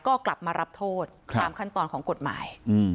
ก็กลับมารับโทษตามขั้นตอนของกฎหมาย